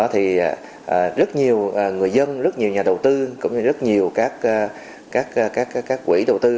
thì rất nhiều người dân rất nhiều nhà đầu tư cũng như rất nhiều các quỹ đầu tư